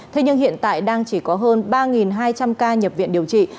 thế nhưng hiện tại đang chỉ có hơn ba hai trăm linh ca nhập viện điều trị